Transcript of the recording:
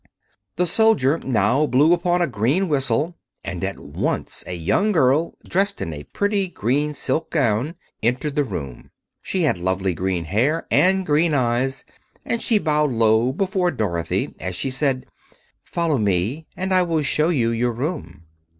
The soldier now blew upon a green whistle, and at once a young girl, dressed in a pretty green silk gown, entered the room. She had lovely green hair and green eyes, and she bowed low before Dorothy as she said, "Follow me and I will show you your room."